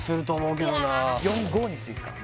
俺４５にしていいっすか？